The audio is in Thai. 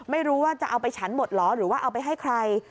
ไม่รู้ว่าจะเอาไปฉันหมดเหรอหรือว่าเอาไปให้ใคร